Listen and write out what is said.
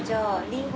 りんご。